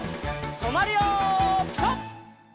とまるよピタ！